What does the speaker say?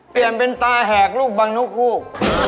เปลี่ยนเป็นตาแหกลูกบังนกฮูก